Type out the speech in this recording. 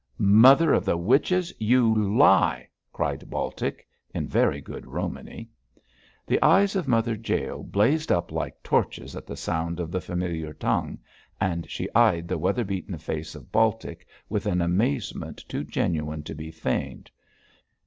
'Mother of the witches, you lie!' cried Baltic, in very good Romany. The eyes of Mother Jael blazed up like torches at the sound of the familiar tongue, and she eyed the weather beaten face of Baltic with an amazement too genuine to be feigned.